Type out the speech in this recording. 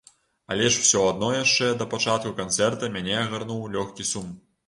Але ж усё адно яшчэ да пачатку канцэрта мяне агарнуў лёгкі сум.